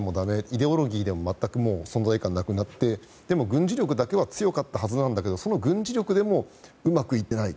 イデオロギーでも全く存在感がなくなってでも、軍事力だけは強かったはずなんだけどその軍事力でもうまくいっていない。